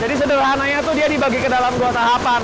jadi sederhananya itu dia dibagi ke dalam dua tahapan